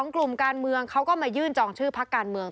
กลุ่มการเมืองเขาก็มายื่นจองชื่อพักการเมือง